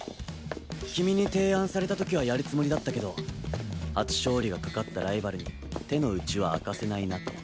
君に提案された時はやるつもりだったけど初勝利がかかったライバルに手の内は明かせないなと。